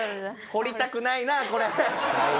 掘りたくないなあこれ。